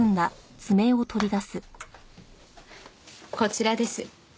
こちらです。